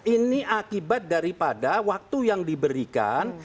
ini akibat daripada waktu yang diberikan